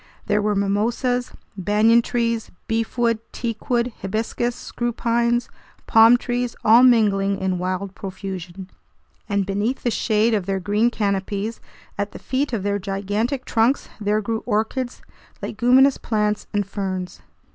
There were mimosas, banyan trees, beefwood, teakwood, hibiscus, screw pines, palm trees, all mingling in wild profusion; and beneath the shade of their green canopies, at the feet of their gigantic trunks, there grew orchids, leguminous plants, and ferns.